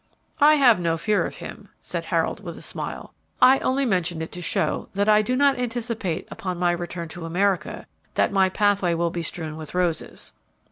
"I have no fear of him," said Harold, with a smile; "I only mentioned it to show that I do not anticipate upon my return to America that my pathway will be strewn with roses."